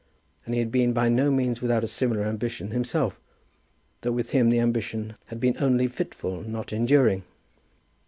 And he had been by no means without a similar ambition himself, though with him the ambition had been only fitful, not enduring.